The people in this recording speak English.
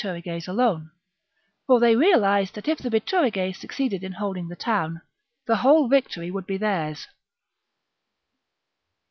Bituriges alone ; for they realized that if the Bituriges succeeded in holding the town, the whole victory would be theirs.